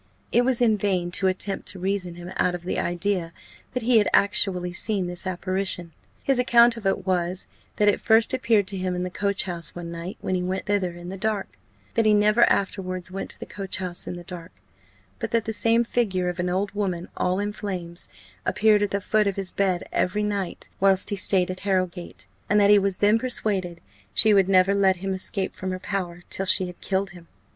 It was in vain to attempt to reason him out of the idea that he had actually seen this apparition: his account of it was, that it first appeared to him in the coach house one night, when he went thither in the dark that he never afterwards went to the coach house in the dark but that the same figure of an old woman, all in flames, appeared at the foot of his bed every night whilst he stayed at Harrowgate; and that he was then persuaded she would never let him escape from her power till she had killed him.